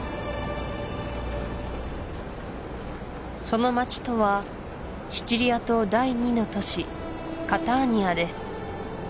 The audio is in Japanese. その街とはシチリア島第２の都市カターニアです